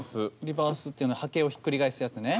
リバースっていうのは波形をひっくり返すやつね。